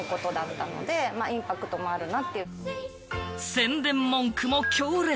宣伝文句も強烈！